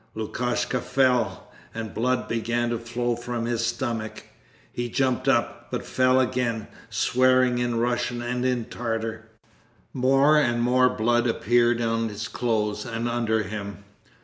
Lukashka fell, and blood began to flow from his stomach. He jumped up, but fell again, swearing in Russian and in Tartar. More and more blood appeared on his clothes and under him.